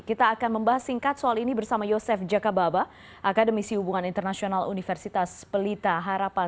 kita akan membahas singkat soal ini bersama yosef jakababa akademisi hubungan internasional universitas pelita harapan